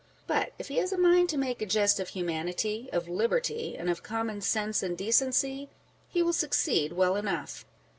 But if he has a mind to make a jest of humanity, of liberty, and of common sense and decency, he will succeed well enough